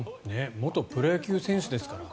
元プロ野球選手ですから。